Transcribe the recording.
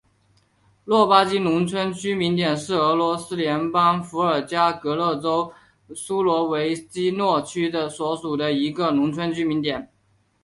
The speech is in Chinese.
洛巴金农村居民点是俄罗斯联邦伏尔加格勒州苏罗维基诺区所属的一个农村居民点。